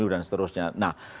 dan seterusnya nah